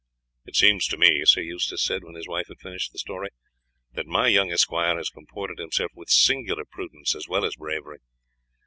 "It seems to me," Sir Eustace said when his wife had finished the story, "that my young esquire has comported himself with singular prudence as well as bravery."